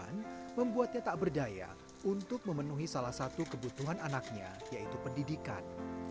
pendidikan membuatnya tak berdaya untuk memenuhi salah satu kebutuhan anaknya yaitu pendidikan